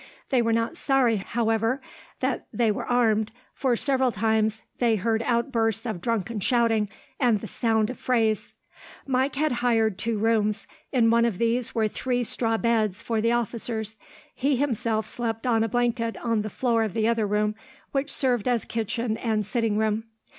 They were not sorry, however, that they were armed, for, several times, they heard outbursts of drunken shouting and the sound of frays. Mike had hired two rooms. In one of these were three straw beds, for the officers. He himself slept on a blanket on the floor of the other room, which served as kitchen and sitting room.